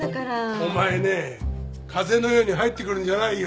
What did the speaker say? お前ね風のように入ってくるんじゃないよ。